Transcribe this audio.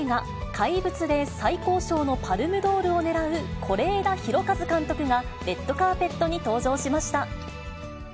怪物で最高賞のパルムドールを狙う是枝裕和監督が、レッドカーペットに登場しました。